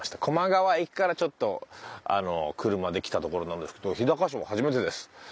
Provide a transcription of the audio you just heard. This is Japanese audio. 高麗川駅からちょっと車で来たところなんですけど日高市は初めてです。